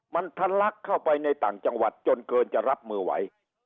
มันทะลักเข้าไปในต่างจังหวัดจนเกินจะรับมือไหว